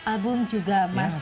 album juga masih dirancang